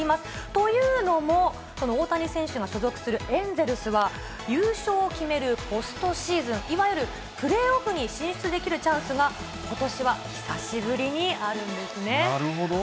というのも、大谷選手が所属するエンゼルスは、優勝を決めるポストシーズン、いわゆるプレーオフに進出できるチャンスがことしは久しぶりにあなるほど。